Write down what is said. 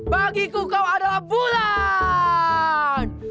bagiku kau adalah bulan